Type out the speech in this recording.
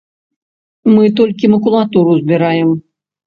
Мы толькі макулатуру збіраем.